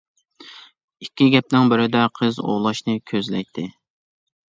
ئىككى گەپنىڭ بىرىدە، قىز ئوۋلاشنى كۆزلەيتتى.